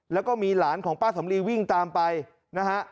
แล้วก็มีหลานของป้าสำลีวิ่งตามไปนะฮะ